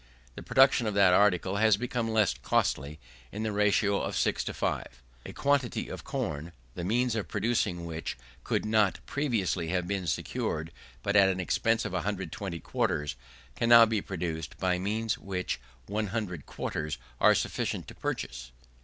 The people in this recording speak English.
The production of that article has become less costly, in the ratio of six to five. A quantity of corn, the means of producing which could not previously have been secured but at an expense of 120 quarters, can now be produced by means which 100 quarters are sufficient to purchase.